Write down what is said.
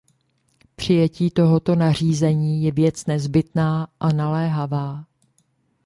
Přijetí tohoto nařízení je věc nezbytná a naléhavá.